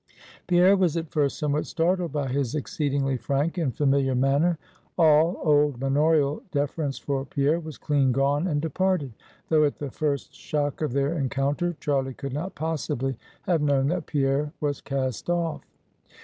Pierre was at first somewhat startled by his exceedingly frank and familiar manner; all old manorial deference for Pierre was clean gone and departed; though at the first shock of their encounter, Charlie could not possibly have known that Pierre was cast off.